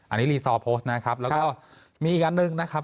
อันนี้รีซอร์โพสต์นะครับแล้วก็มีอีกอันหนึ่งนะครับ